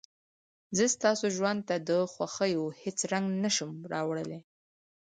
زه ستاسو ژوند ته د خوښيو هېڅ رنګ نه شم راوړلى.